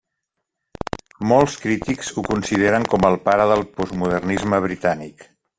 Molts crítics ho consideren com el pare de Postmodernisme britànic.